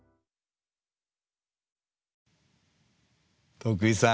徳井さん